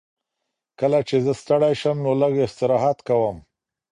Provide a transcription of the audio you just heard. کله چې زه ستړی شم نو لږ استراحت کوم.